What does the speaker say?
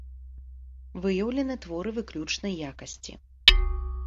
Выяўлены творы выключнай якасці.